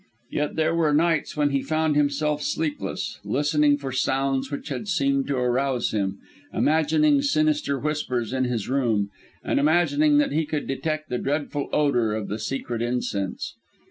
Yet there were nights when he found himself sleepless, listening for sounds which had seemed to arouse him; imagining sinister whispers in his room and imagining that he could detect the dreadful odour of the secret incense.